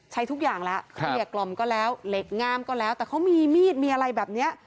ใช้ทุกอย่างแล้วเกลี้ยกล่อมก็แล้วเหล็กงามก็แล้วแต่เขามีมีดมีอะไรแบบนี้